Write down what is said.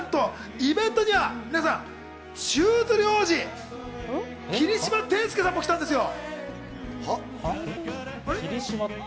イベントには皆さん、宙吊り王子・霧島天介さんも来たんですよ。